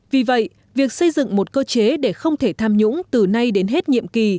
vì vậy việc xây dựng một cơ chế để không thể tham nhũng từ nay đến hết nhiệm kỳ